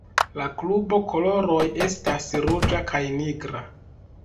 La klubo koloroj estas ruĝa kaj nigra.